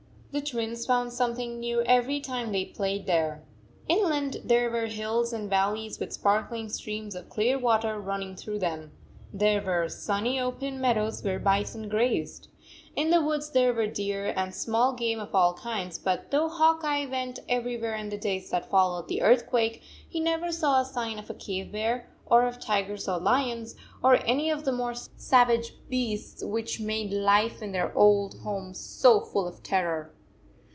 The Twins found something new every time they played there. Inland there were hills and valleys with sparkling streams of clear water running through them. There were sunny open meadows where bison grazed. In the woods there were deer and small game of all kinds, but though Hawk Eye went every where in the days that followed the earth quake, he never saw a sign of a cave bear or of tigers or lions, or any of the more savage beasts which made life in their old home so full of terror.